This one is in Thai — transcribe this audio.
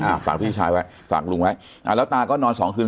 ฝากพี่ชายไว้ฝากลุงไว้อ่าแล้วตาก็นอนสองคืน